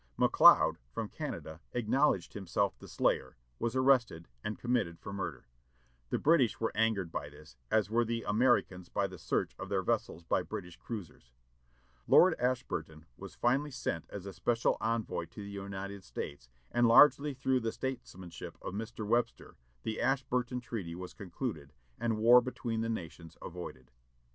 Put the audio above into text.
McLeod, from Canada, acknowledged himself the slayer, was arrested, and committed for murder. The British were angered by this, as were the Americans by the search of their vessels by British cruisers. Lord Ashburton was finally sent as a special envoy to the United States, and largely through the statesmanship of Mr. Webster the Ashburton treaty was concluded, and war between the nations avoided.